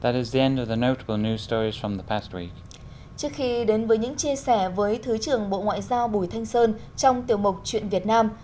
trước khi đến với những chia sẻ với thứ trưởng bộ ngoại giao bùi thanh sơn trong tiểu mục chuyện việt nam